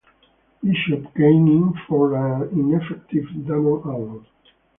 Bishop came in for an ineffective Damon Allen.